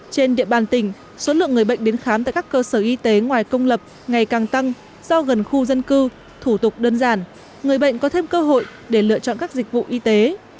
trên địa bàn tỉnh số lượng người bệnh đến khám tại các cơ sở y tế ngoài công lập ngày càng tăng do gần khu dân cư thủ tục đơn giản người bệnh có thêm cơ hội để lựa chọn các dịch vụ y tế